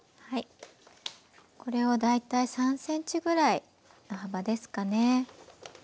これを大体３ｃｍぐらいの幅ですかね。